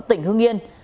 tỉnh hương yên